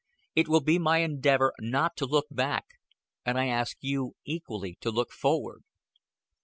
It will be my endeavor not to look back, and I ask you equally to look forward."